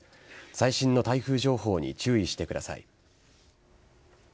最新の台風情報に注意してください。